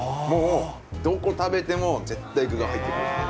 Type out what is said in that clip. もうどこ食べても絶対具が入ってくる。